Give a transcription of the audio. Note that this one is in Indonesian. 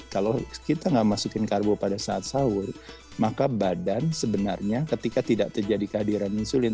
kalau kita nggak masukin karbo pada saat sahur maka badan sebenarnya ketika tidak terjadi kehadiran insulin